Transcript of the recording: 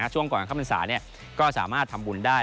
ช่วงก่อนเข้าพรรษาก็สามารถทำบุญได้